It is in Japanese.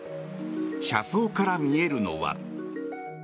車窓から見えるのは。